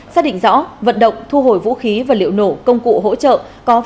xác định rõ vận động thu hồi vũ khí và liệu nổ công cụ hỗ trợ